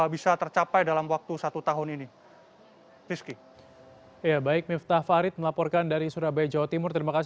bisa tercapai dalam waktu satu tahun ini